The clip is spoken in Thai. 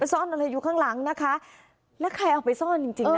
ซ่อนอะไรอยู่ข้างหลังนะคะแล้วใครเอาไปซ่อนจริงจริงนะ